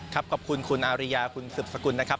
ครับขอบคุณคุณอาริยาคุณศึกษกุลนะครับ